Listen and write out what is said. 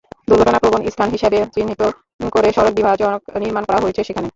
দুর্ঘটনাপ্রবণ স্থান হিসেবে চিহ্নিত করে সড়ক বিভাজক নির্মাণ করা হয়েছে সেখানে।